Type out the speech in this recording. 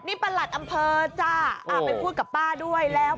นี่ประหลัดอำเภอจ้าไปพูดกับป้าด้วยแล้ว